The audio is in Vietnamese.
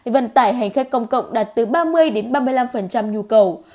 vận tải hành khắc công cộng đặt từ ba mươi đến ba mươi năm nhu cầu